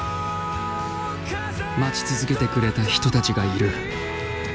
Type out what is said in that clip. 待ち続けてくれた人たちがいる。